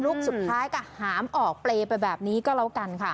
สุดท้ายก็หามออกเปรย์ไปแบบนี้ก็แล้วกันค่ะ